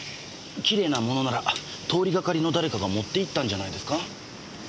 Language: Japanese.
奇麗なものなら通りがかりの誰かが持っていったんじゃないですか？